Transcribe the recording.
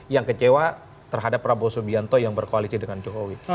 yang kecewa terhadap prabowo subianto yang berkoalisi dengan jokowi